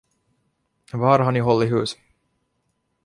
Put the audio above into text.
Var har ni hållit hus?